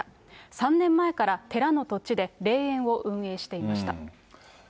３年前から寺の土地で霊園を運営していました。